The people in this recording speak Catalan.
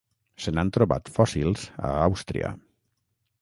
Se n'han trobat fòssils a Àustria.